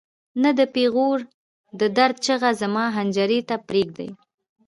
نه د پېغور د درد چیغه زما حنجرې ته پرېږدي.